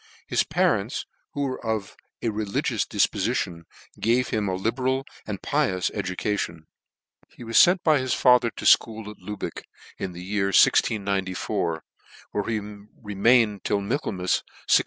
His parents, who were of a religious difpofition, gave him a libeial and pi ous education. He was ftrnt by his father to' fcho'ol at Lubeck in the year 1694, where he remained till Michael mas 1698.